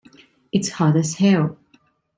It's hot as hell.